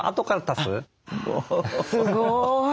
すごい。